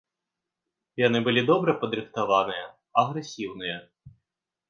Яны былі добра падрыхтаваныя, агрэсіўныя.